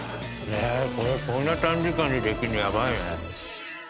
これこんな短時間でできるのヤバいね。